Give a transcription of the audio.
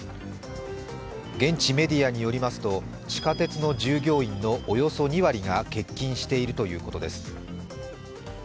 現地メディアによりますと地下鉄の従業員のおよそ２割が欠勤しているということです。